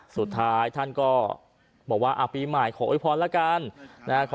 สุดท้ายท่านก็บอกว่าอ่าปีใหม่ขอโอปรณ์ละกันนะครับ